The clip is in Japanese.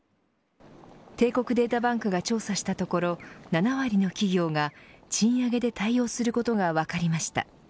帝国データバンクが調査したところ、７割の企業が賃上げで対応することが分かりました。